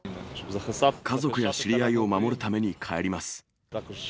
家族や知り合いを守るために帰ります。